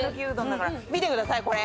見てくださいこれ。